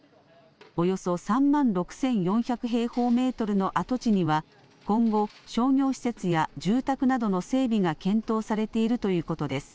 およそ３万６４００平方メートルの跡地には今後、商業施設や住宅などの整備が検討されているということです。